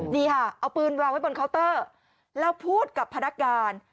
นี่ค่ะเอาปืนวางไว้บนเคาน์เตอร์แล้วพูดกับพนักงาน